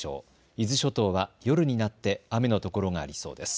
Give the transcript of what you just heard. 伊豆諸島は夜になって雨のところがありそうです。